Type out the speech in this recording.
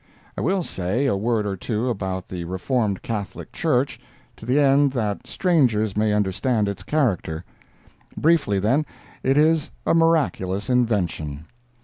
I will say a word or two about the Reformed Catholic Church, to the end that strangers may understand its character. Briefly, then, it is a miraculous invention.